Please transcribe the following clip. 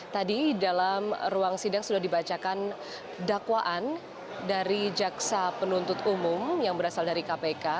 tadi dalam ruang sidang sudah dibacakan dakwaan dari jaksa penuntut umum yang berasal dari kpk